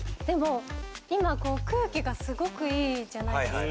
今、こう空気がすごくいいじゃないですか。